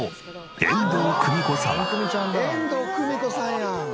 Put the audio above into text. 遠藤久美子さんや。